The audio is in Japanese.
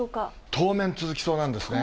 当面続きそうなんですね。